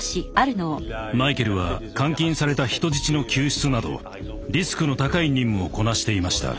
マイケルは監禁された人質の救出などリスクの高い任務をこなしていました。